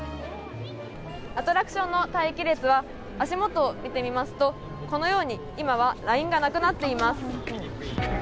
アトラクションの待機列は足元を見てみますとこのように今はラインがなくなってます。